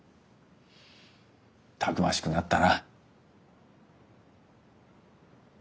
たくましくなったな。